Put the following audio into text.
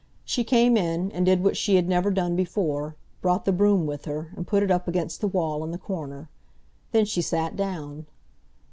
She came in, and did what she had never done before—brought the broom with her, and put it up against the wall in the corner. Then she sat down.